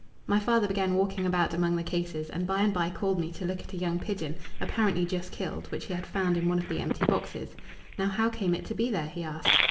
My father began walking about among the cases, and by and by called me to look at a young pigeon, apparently just killed, which he had found in one of the empty boxes. Now, how came it to be there? he asked.